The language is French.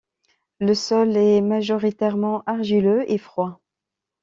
Le sol est majoritairement argileux et froid.